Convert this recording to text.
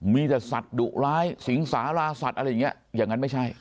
มีแต่สัตว์ดุร้ายสิงสาราสัตว์อะไรอย่างนี้อย่างนั้นไม่ใช่